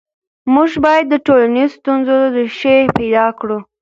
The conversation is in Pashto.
موږ باید د ټولنیزو ستونزو ریښې پیدا کړو.